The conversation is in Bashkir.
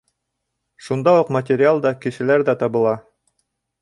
Шунда уҡ материал да, кешеләр ҙә табыла.